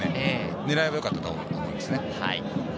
狙いはよかったと思います。